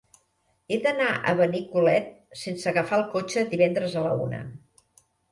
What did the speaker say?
He d'anar a Benicolet sense agafar el cotxe divendres a la una.